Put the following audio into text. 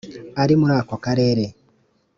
ari muri ako karere